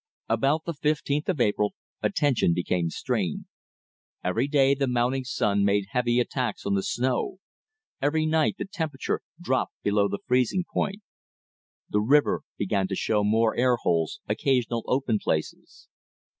About the fifteenth of April attention became strained. Every day the mounting sun made heavy attacks on the snow: every night the temperature dropped below the freezing point. The river began to show more air holes, occasional open places.